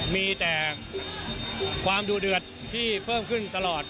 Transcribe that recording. มีแต่ความดูเดือดที่เพิ่มขึ้นตลอด